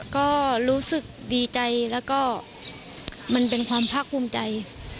ก็รู้สึกดีใจแล้วก็มันเป็นความภาคภูมิใจ